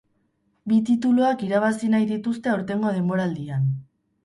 Bi tituluak irabazi nahi dituzte aurtengo denboraldian.